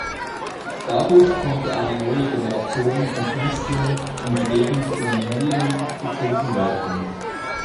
Dadurch konnte eine neue Generation von Künstlern in die Gegend um Newlyn gezogen werden.